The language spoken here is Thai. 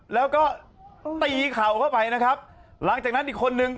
แล้วก็ตีเข่าเข้าไปนะครับหลังจากนั้นอีกคนนึง